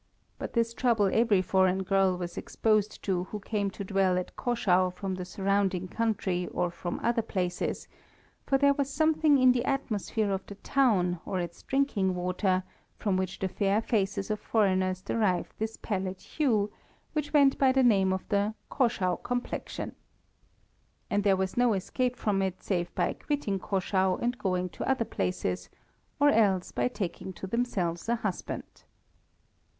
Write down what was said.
But this trouble every foreign girl was exposed to who came to dwell at Caschau from the surrounding country or from other places, for there was something in the atmosphere of the town or its drinking water from which the fair faces of foreigners derived this pallid hue, which went by the name of the "Caschau complexion." And there was no escape from it save by quitting Caschau and going to other places, or else by taking to themselves a husband.